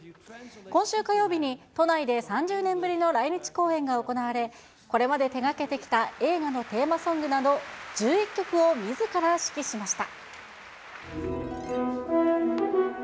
今週火曜日に都内で３０年ぶりの来日公演が行われ、これまで手がけてきた映画のテーマソングなど、１１曲をみずから指揮しました。